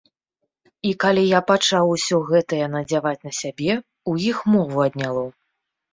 І калі я пачаў усё гэтае надзяваць на сябе, у іх мову адняло.